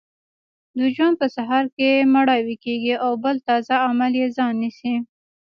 د ژوند په سهار کې مړاوې کیږي او بل تازه عامل یې ځای نیسي.